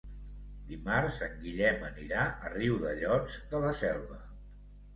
Dimarts en Guillem anirà a Riudellots de la Selva.